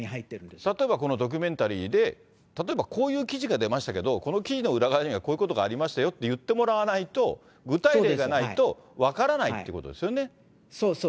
例えばこのドキュメンタリーで、例えばこういう記事が出ましたけど、この記事の裏側にはこういうことがありましたよって言ってもらわないと、具体例がないと、分からないっていうことですよね。